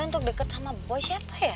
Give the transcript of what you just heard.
untuk deket sama boy siapa ya